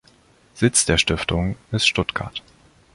Sitz der Stiftung ist Stuttgart.